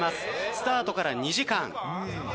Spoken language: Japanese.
スタートから２時間。